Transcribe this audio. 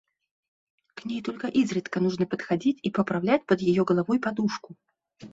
– К ней только изредка нужно подходить и поправлять под ее головой подушку.